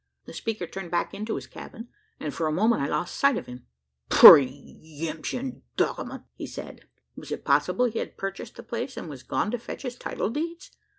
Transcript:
The speaker turned back into his cabin, and for a moment I lost sight of him. "Pre emption document!" he said. Was it possible he had purchased the place, and was gone to fetch his title deeds?